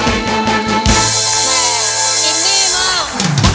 ดีมาก